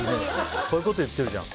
こういうこと言ってるじゃん。